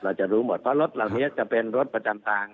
เราจะรู้หมดเพราะรถเหล่านี้จะเป็นรถประจำทาง